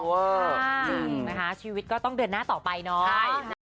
หนึ่งนะคะชีวิตก็ต้องเดินหน้าต่อไปเนาะ